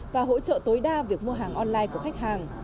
và hỗ trợ tối đa việc mua hàng online của khách hàng